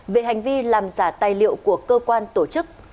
về hành vi làm giả tài liệu của cơ quan tổ chức